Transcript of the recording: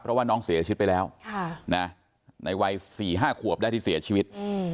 เพราะว่าน้องเสียชีวิตไปแล้วในวัย๔๕ขวบได้ที่เสียชีวิต